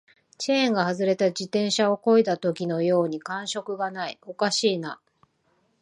チェーンが外れた自転車を漕いだときのように感触がない、おかしいな